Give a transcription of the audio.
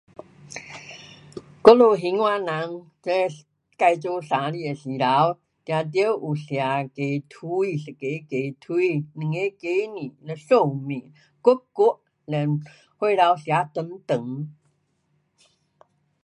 我们兴化人自己过生日的时候一定有吃鸡腿一个鸡腿两个鸡蛋和长寿面 [unintelligible] 岁头吃长长